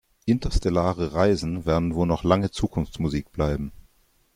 Interstellare Reisen werden wohl noch lange Zukunftsmusik bleiben.